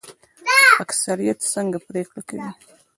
اکثریت څنګه پریکړه کوي؟